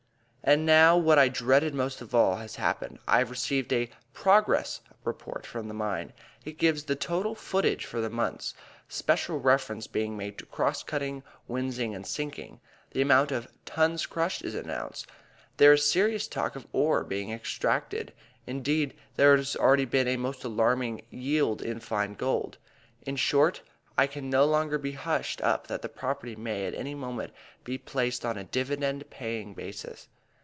And now what I dreaded most of all has happened. I have received a "Progress Report" from the mine. It gives the "total footage" for the month, special reference being made to "cross cutting, winzing and sinking." The amount of "tons crushed" is announced. There is serious talk of "ore" being "extracted"; indeed there has already been a most alarming "yield in fine gold." In short, it can no longer be hushed up that the property may at any moment be "placed on a dividend paying basis."